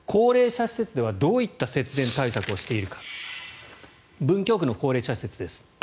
高齢者施設ではどういった節電対策をしているか文京区の高齢者施設です。